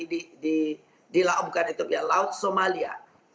di di di bukan etopia di laut somalia